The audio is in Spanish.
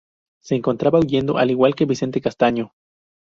Se encontraba huyendo al igual que Vicente Castaño.